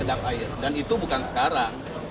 dan itu bukan sekarang